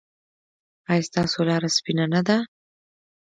ایا ستاسو لاره سپینه نه ده؟